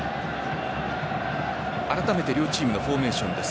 あらためて両チームのフォーメーションです。